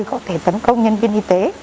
có thể tấn công nhân viên y tế